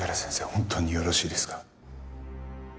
本当によろしいですか？